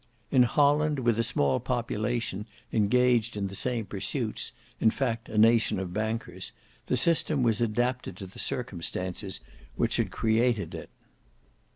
In Holland, with a small population engaged in the same pursuits, in fact a nation of bankers, the system was adapted to the circumstances which had created it.